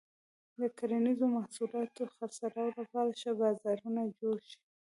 د کرنیزو محصولاتو د خرڅلاو لپاره ښه بازارونه جوړ شي.